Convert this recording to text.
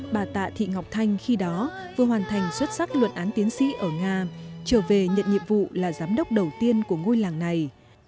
bà tạ thị ngọc thanh khi đó vừa hoàn thành xuất sắc luận án tiến sĩ ở nga trở về nhận nhiệm vụ là giám đốc đầu tiên của ngôi làng này